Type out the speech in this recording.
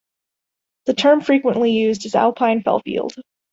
The term frequently used is alpine fellfield.